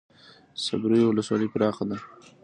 صبریو ولسوالۍ پراخه ده؟